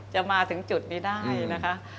จะมาถึงจุดนี้ได้นะคะ